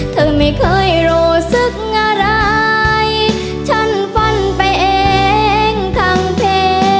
เธอไม่เคยรู้สึกอะไรฉันฟันไปเองทั้งเพลง